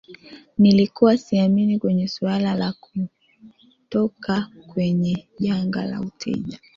Nilikuwa siamini kwenye suala la kutoka kwenye janga la uteja